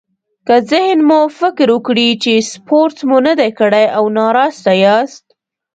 که ذهن مو فکر وکړي چې سپورت مو نه دی کړی او ناراسته ياست.